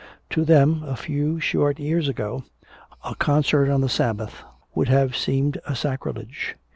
To them, a few short years ago, a concert on the Sabbath would have seemed a sacrilege.